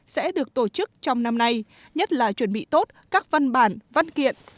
sẽ được tổ chức trong năm nay nhất là chuẩn bị tốt các văn bản văn kiện